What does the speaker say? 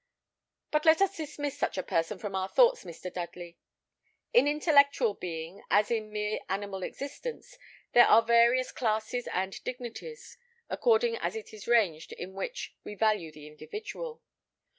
But let us dismiss such a person from our thoughts, Mr. Dudley. In intellectual being, as in mere animal existence, there are various classes and dignities, according as he is ranged in which, we value the individual.